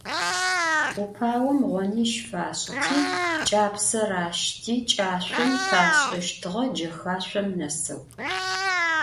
Upaom ğoniş faş'ıti, ç'apse raşıti, ç'aşsom paş'eştığe cexaşsom neseu.